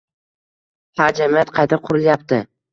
— Ha, jamiyat qayta qurilyapti.